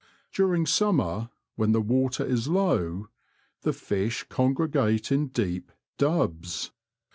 During summer, when the water is low, the fish congregate in deep ^^dubs."